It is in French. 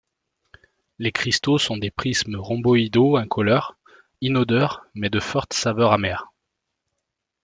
Les cristaux sont des prismes rhomboïdaux incolores, inodores, mais de forte saveur amère.